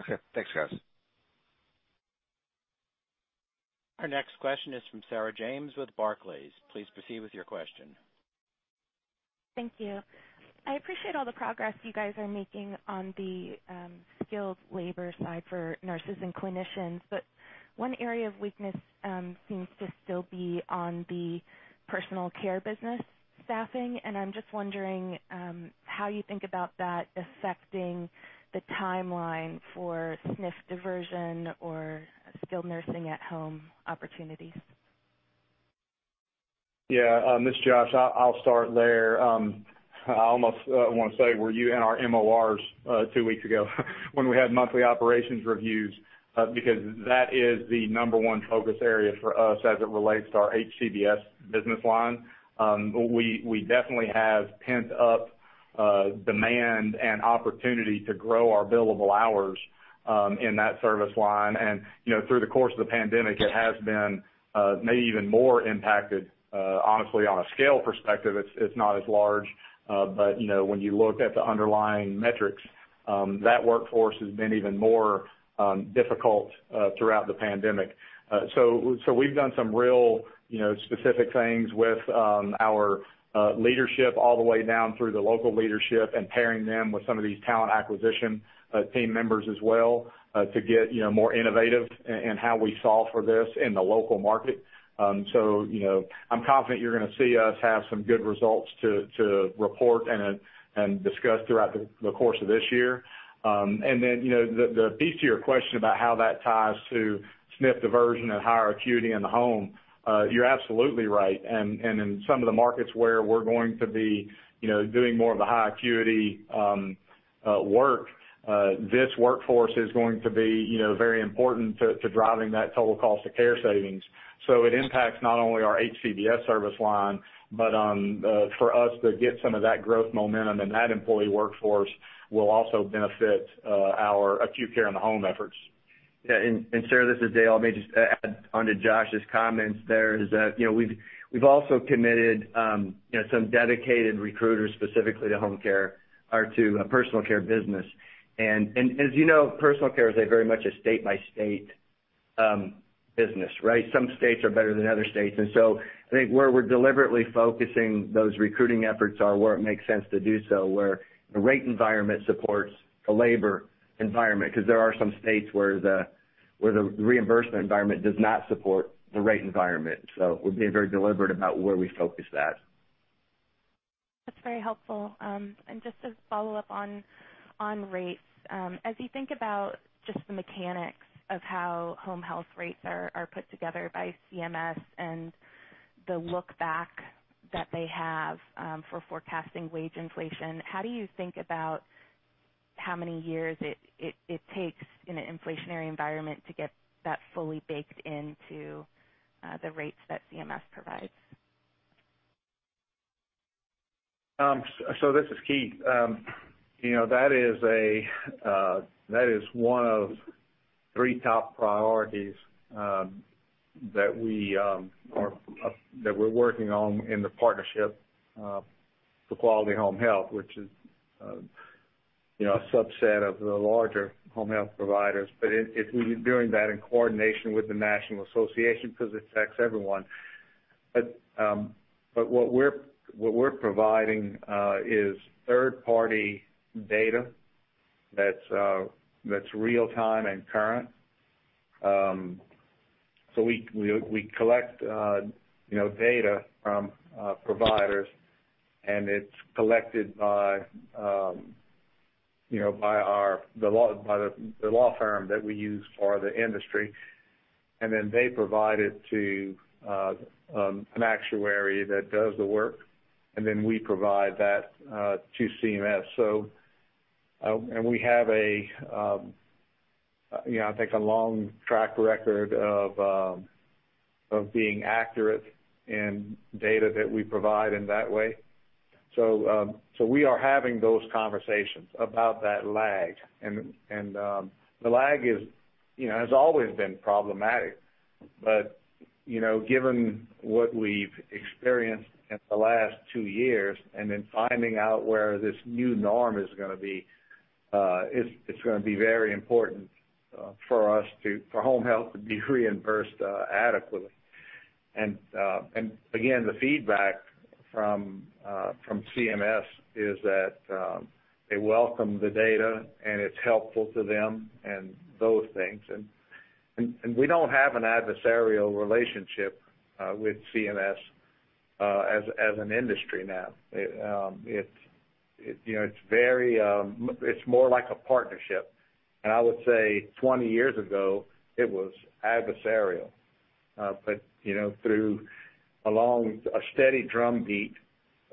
Okay. Thanks, guys. Our next question is from Sarah James with Barclays. Please proceed with your question. Thank you. I appreciate all the progress you guys are making on the skilled labor side for nurses and clinicians. One area of weakness seems to still be on the personal care business staffing, and I'm just wondering how you think about that affecting the timeline for SNF diversion or skilled nursing at home opportunities? Yeah. Josh, I'll start there. I almost wanna say, were you in our MORs 2 weeks ago when we had monthly operations reviews? Because that is the number 1 focus area for us as it relates to our HCBS business line. We definitely have pent-up demand and opportunity to grow our billable hours in that service line. You know, through the course of the pandemic, it has been maybe even more impacted. Honestly, on a scale perspective, it's not as large. But you know, when you look at the underlying metrics, that workforce has been even more difficult throughout the pandemic. We've done some real, you know, specific things with our leadership all the way down through the local leadership and pairing them with some of these talent acquisition team members as well to get, you know, more innovative in how we solve for this in the local market. You know, I'm confident you're gonna see us have some good results to report and discuss throughout the course of this year. You know, the piece to your question about how that ties to SNF diversion and higher acuity in the home, you're absolutely right. In some of the markets where we're going to be, you know, doing more of the high-acuity work, this workforce is going to be, you know, very important to driving that total cost of care savings. It impacts not only our HCBS service line, but for us to get some of that growth momentum in that employee workforce will also benefit our acute care in the home efforts. Yeah. Sarah, this is Dale Mackel. Just add onto Josh's comments, that is, you know, we've also committed, you know, some dedicated recruiters specifically to home care or to a personal care business. As you know, personal care is very much a state-by-state business, right? Some states are better than other states. I think where we're deliberately focusing those recruiting efforts are where it makes sense to do so, where the rate environment supports the labor environment. 'Cause there are some states where the reimbursement environment does not support the rate environment. We're being very deliberate about where we focus that. That's very helpful. Just to follow-up on rates, as you think about just the mechanics of how home health rates are put together by CMS and the look back that they have for forecasting wage inflation, how do you think about how many years it takes in an inflationary environment to get that fully baked into the rates that CMS provides? This is Keith. You know, that is one of three top priorities that we're working on in the Partnership for Quality Home Healthcare, which is, you know, a subset of the larger home health providers. We've been doing that in coordination with the National Association because it affects everyone. What we're providing is third-party data that's real time and current. We collect, you know, data from providers, and it's collected by the law firm that we use for the industry. Then they provide it to an actuary that does the work, and then we provide that to CMS. We have a, you know, I think a long track record of being accurate in data that we provide in that way. We are having those conversations about that lag. The lag is, you know, has always been problematic. You know, given what we've experienced in the last two years, and then finding out where this new norm is gonna be, it's gonna be very important for home health to be reimbursed adequately. Again, the feedback from CMS is that they welcome the data, and it's helpful to them and those things. We don't have an adversarial relationship with CMS. As an industry now, you know, it's more like a partnership. I would say 20-years ago, it was adversarial. You know, through a steady drumbeat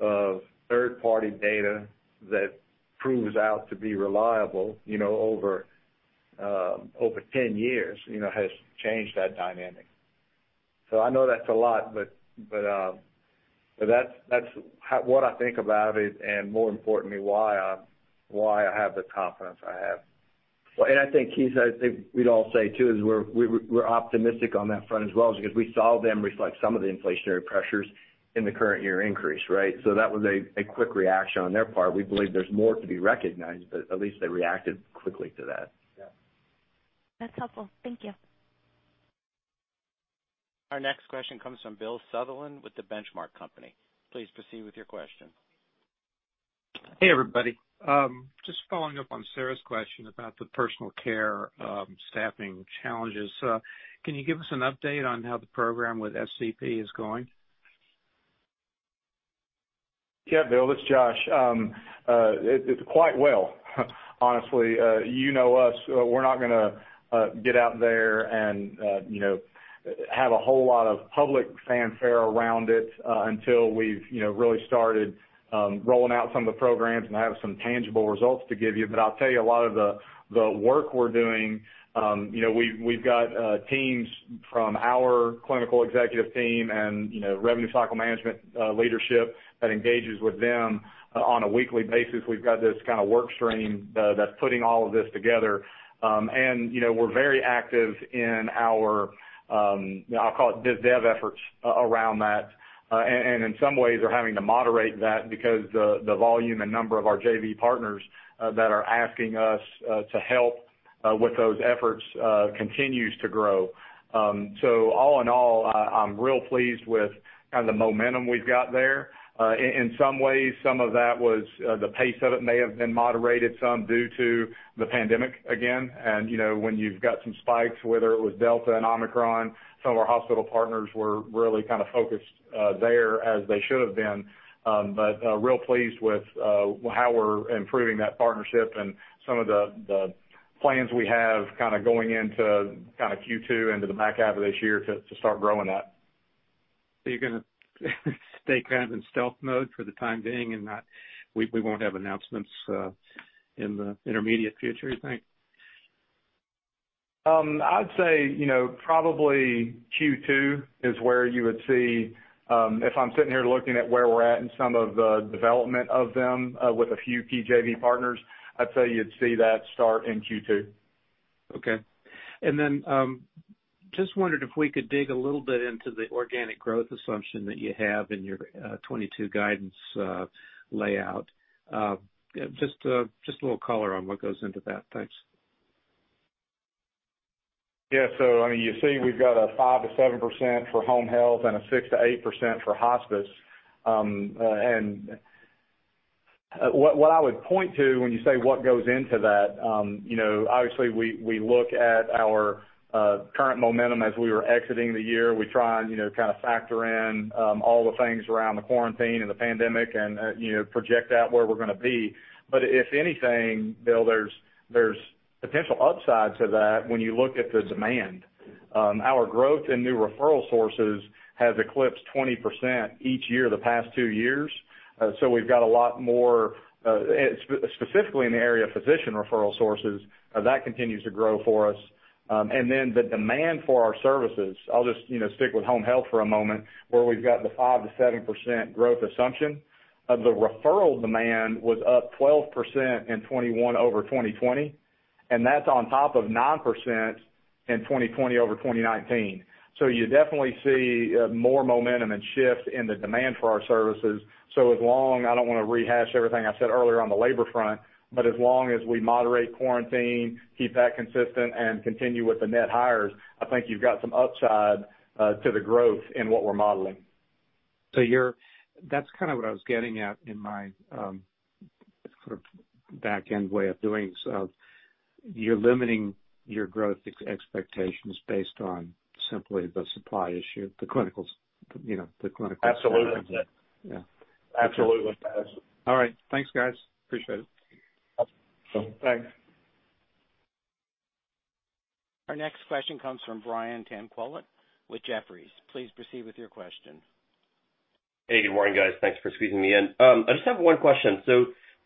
of third-party data that proves out to be reliable, you know, over 10-years, you know, has changed that dynamic. I know that's a lot, but that's what I think about it and more importantly, why I have the confidence I have. Well, I think, Keith, we'd all say too is we're optimistic on that front as well, because we saw them reflect some of the inflationary pressures in the current year increase, right? That was a quick reaction on their part. We believe there's more to be recognized, but at least they reacted quickly to that. Yeah. That's helpful. Thank you. Our next question comes from Bill Sutherland with The Benchmark Company. Please proceed with your question. Hey, everybody. Just following up on Sarah's question about the personal care, staffing challenges. Can you give us an update on how the program with SCP is going? Yeah, Bill, it's Josh. It's quite well, honestly. You know us, we're not gonna get out there and you know, have a whole lot of public fanfare around it until we've you know, really started rolling out some of the programs and have some tangible results to give you. But I'll tell you a lot of the work we're doing you know, we've got teams from our clinical executive team and you know, revenue cycle management leadership that engages with them on a weekly basis. We've got this kind of work stream that's putting all of this together. You know, we're very active in our I'll call it dev efforts around that. In some ways we are having to moderate that because the volume and number of our JV partners that are asking us to help with those efforts continues to grow. All in all, I'm real pleased with kind of the momentum we've got there. In some ways, the pace of it may have been moderated some due to the pandemic again. You know, when you've got some spikes, whether it was Delta and Omicron, some of our hospital partners were really kind of focused there as they should have been. Real pleased with how we're improving that partnership and some of the plans we have kind of going into kind of Q2 into the back half of this year to start growing that. You're gonna stay kind of in stealth mode for the time being and we won't have announcements in the immediate future, you think? I'd say, you know, probably Q2 is where you would see, if I'm sitting here looking at where we're at in some of the development of them, with a few key JV partners, I'd say you'd see that start in Q2. Okay. Just wondered if we could dig a little bit into the organic growth assumption that you have in your 2022 guidance layout. Just a little color on what goes into that. Thanks. Yeah. I mean, you see we've got a 5%-7% for home health and a 6%-8% for hospice. What I would point to when you say what goes into that, you know, obviously we look at our current momentum as we were exiting the year. We try and, you know, kind of factor in all the things around the quarantine and the pandemic and, you know, project out where we're gonna be. If anything, Bill, there's potential upside to that when you look at the demand. Our growth in new referral sources has eclipsed 20% each year, the past two years. We've got a lot more, specifically in the area of physician referral sources, that continues to grow for us. The demand for our services, I'll just, you know, stick with home health for a moment, where we've got the 5%-7% growth assumption. The referral demand was up 12% in 2021 over 2020, and that's on top of 9% in 2020 over 2019. You definitely see more momentum and shift in the demand for our services. As long, I don't wanna rehash everything I said earlier on the labor front, but as long as we moderate quarantine, keep that consistent and continue with the net hires, I think you've got some upside to the growth in what we're modeling. That's kind of what I was getting at in my sort of back-end way of doing this. You're limiting your growth expectations based on simply the supply issue, the clinicals, you know, the clinicals. Absolutely. Yeah. Absolutely. All right. Thanks, guys. Appreciate it. Thanks. Our next question comes from Brian Tanquilut with Jefferies. Please proceed with your question. Hey, good morning, guys. Thanks for squeezing me in. I just have one question.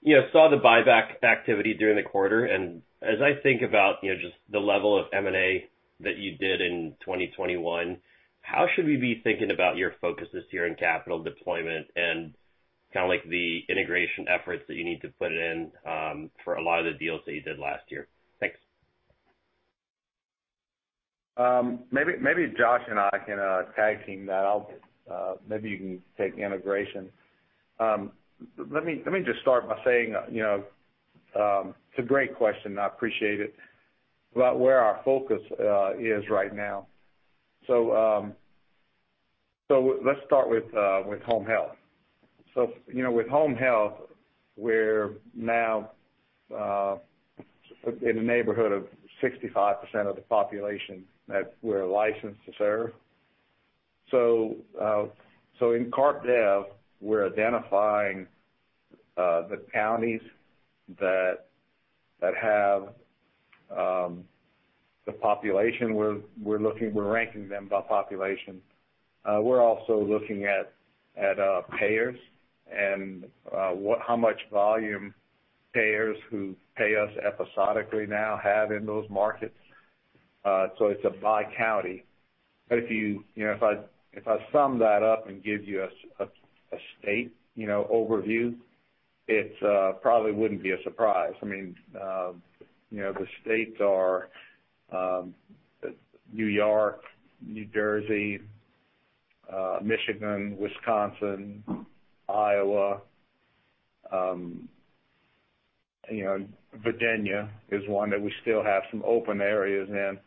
You know, saw the buyback activity during the quarter, and as I think about, you know, just the level of M&A that you did in 2021, how should we be thinking about your focus this year in capital deployment and kind of like the integration efforts that you need to put in for a lot of the deals that you did last year? Thanks. Maybe Josh and I can tag team that. I'll maybe you can take integration. Let me just start by saying, you know, it's a great question, I appreciate it, about where our focus is right now. Let's start with home health. You know, with home health, we're now in the neighborhood of 65% of the population that we're licensed to serve. In cap dev, we're identifying the counties that have the population. We're ranking them by population. We're also looking at payers and how much volume payers who pay us episodically now have in those markets. It's by county. If you know, if I sum that up and give you a state overview, it probably wouldn't be a surprise. I mean, you know, the states are New York, New Jersey, Michigan, Wisconsin, Iowa. You know, Virginia is one that we still have some open areas in.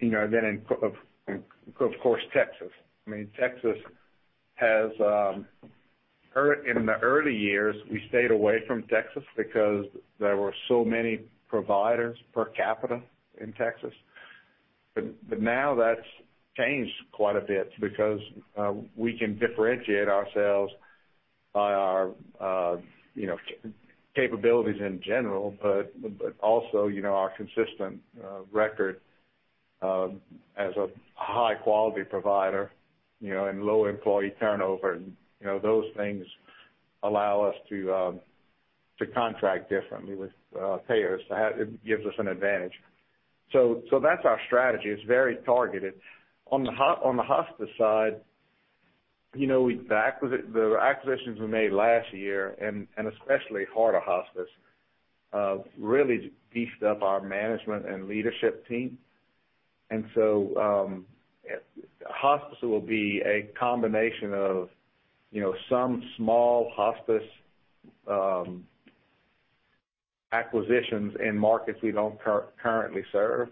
You know, again, of course, Texas. I mean, Texas has. In the early years, we stayed away from Texas because there were so many providers per capita in Texas. Now that's changed quite a bit because we can differentiate ourselves by our, you know, capabilities in general, but also, you know, our consistent record as a high-quality provider, you know, and low employee turnover. You know, those things allow us to contract differently with payers. It gives us an advantage. That's our strategy. It's very targeted. On the hospice side, you know, with the acquisitions we made last year and especially Heart of Hospice, really beefed up our management and leadership team. Hospice will be a combination of, you know, some small hospice acquisitions in markets we don't currently serve,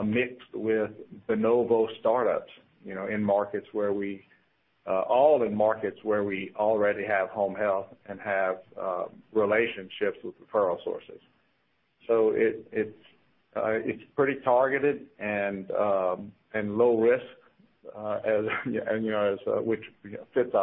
mixed with de novo startups, you know, in markets where we already have home health and have relationships with referral sources. It's pretty targeted and low-risk, and which, you know, fits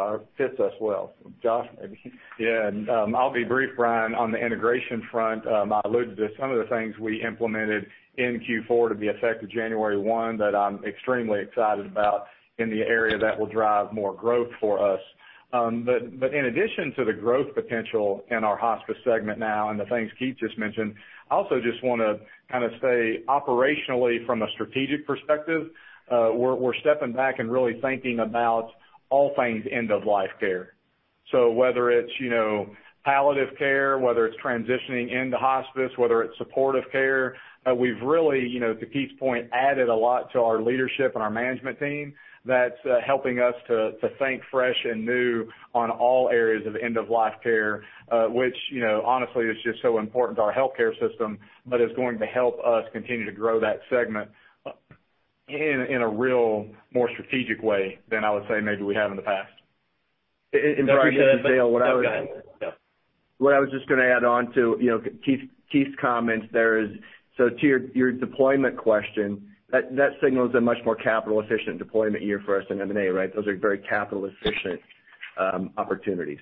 us well. Josh, maybe. Yeah. I'll be brief, Brian, on the integration front. I alluded to some of the things we implemented in Q4 to be effective January 1 that I'm extremely excited about in the area that will drive more growth for us. In addition to the growth potential in our hospice segment now and the things Keith just mentioned, I also just wanna kind of say operationally from a strategic perspective, we're stepping back and really thinking about all things end-of-life care. Whether it's, you know, palliative care, whether it's transitioning into hospice, whether it's supportive care, we've really, you know, to Keith's point, added a lot to our leadership and our management team that's helping us to think fresh and new on all areas of end-of-life care, which, you know, honestly is just so important to our healthcare system, but is going to help us continue to grow that segment in a real more strategic way than I would say maybe we have in the past. Brian, just to tell what I No, go ahead. Yeah. What I was just gonna add on to, you know, Keith's comments there is, so to your deployment question, that signals a much more capital efficient deployment year for us in M&A, right? Those are very capital efficient opportunities.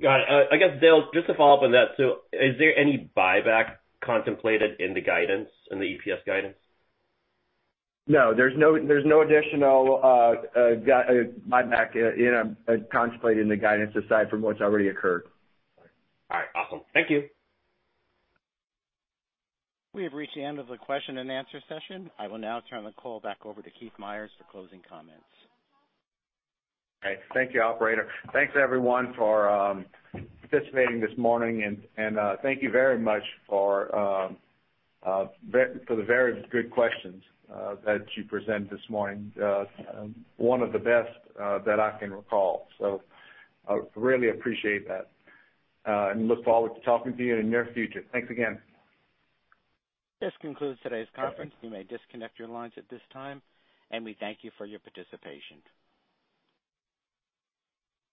Got it. I guess, Dale, just to follow-up on that, so is there any buyback contemplated in the guidance, in the EPS guidance? No, there's no additional buyback contemplated in the guidance aside from what's already occurred. All right, awesome. Thank you. We have reached the end of the question and answer session. I will now turn the call back over to Keith Myers for closing comments. All right. Thank you, operator. Thanks everyone for participating this morning, and thank you very much for the various good questions that you presented this morning. One of the best that I can recall. Really appreciate that, and look forward to talking to you in the near future. Thanks again. This concludes today's conference. You may disconnect your lines at this time, and we thank you for your participation.